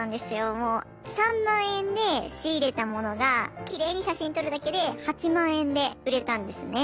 もう３万円で仕入れた物がきれいに写真撮るだけで８万円で売れたんですね。